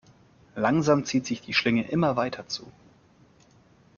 Langsam zieht sich die Schlinge immer weiter zu.